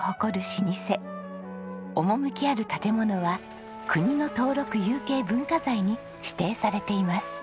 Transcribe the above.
趣ある建物は国の登録有形文化財に指定されています。